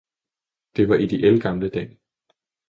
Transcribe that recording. Det var i de ældgamle dage!